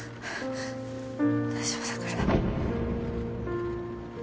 大丈夫だから。